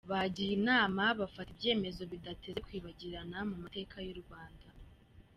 Bagiye inama bafata ibyemezo bidateze kwibagirana mu mateka y’uRwanda :